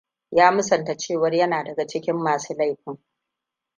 Ya musanta cewar yana daga cikin masu laifin.